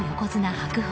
・白鵬